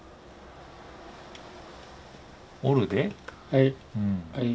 はい。